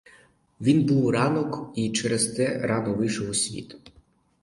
Він був — ранок і через те рано вийшов у світ.